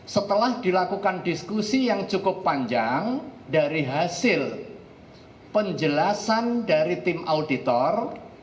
setelah dilakukan diskusi yang cukup panjang dari hasil penjelasan dari tim auditor